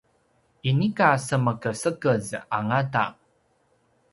inika semekesekez angata